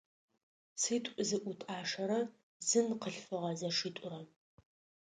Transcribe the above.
ЦитӀу зыӀут Ӏашэрэ зын къылъфыгъэ зэшитӀурэ.